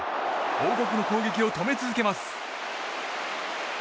王国の攻撃を止め続けます。